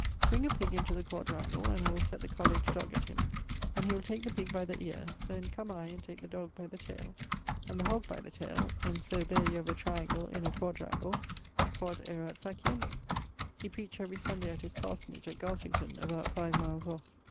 Bring a pig into the quadrangle, and I will sett the colledge dog at him, and he will take the pig by the eare; then come I and take the dog by the tayle, and the hog by the tayle, and so there you have a triangle in a quadrangle; quod erat faciendum.' He preach't every Sunday at his parsonage at Garsington (about 5 miles off).